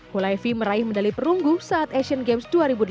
hulaifi meraih medali perunggu saat asian games dua ribu delapan belas